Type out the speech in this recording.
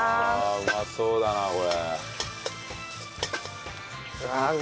うまそうだなこれ！